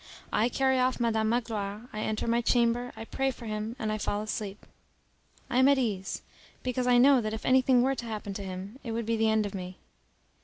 I carry off Madam Magloire, I enter my chamber, I pray for him and fall asleep. I am at ease, because I know that if anything were to happen to him, it would be the end of me.